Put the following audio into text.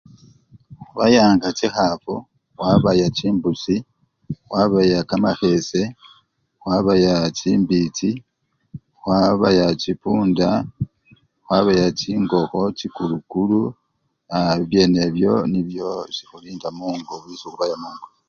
Khubayanga chikhafu, khwabaya chimbusi, khwabaya kamakhese, khwabaya chimbichi, khwabaya chipunda, khwabaya chingokho chikulukulu aaa! bibyenebyo nibyo esikhulinda! mungo! esikhubaya mungo.